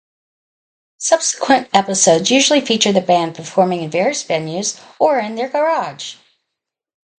Subsequent episodes usually feature the band performing in various venues or in their garage.